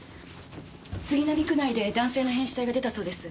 杉並区内で男性の変死体が出たそうです。